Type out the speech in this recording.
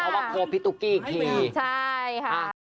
เขาว่าโพลพี่ตุ๊กกี้อีกทีใช่ค่ะอ่า